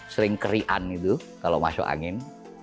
sering kerian itu kalau masuk angin